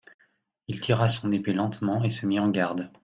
Il tira son épée lentement et se mit en garde.